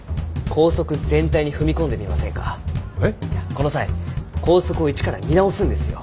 この際校則を一から見直すんですよ。